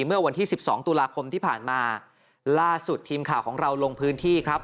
เมื่อวันที่สิบสองตุลาคมที่ผ่านมาล่าสุดทีมข่าวของเราลงพื้นที่ครับ